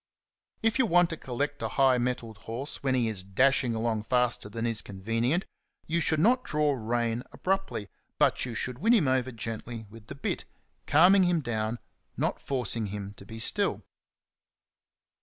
^^j if you want to collect a high mettled horse when he is dashing along faster than is convenient, you should not draw rein abruptly, but should win him over gently with the bit, CHAPTER IX. 53 calming him down and not forcing him to be still.